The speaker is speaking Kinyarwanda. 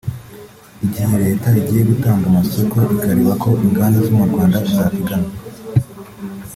Igihe Leta igiye gutanga amasoko ikareba ko inganda zo mu Rwanda zapiganwe